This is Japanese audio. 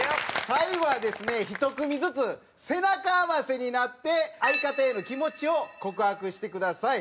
最後はですね１組ずつ背中合わせになって相方への気持ちを告白してください。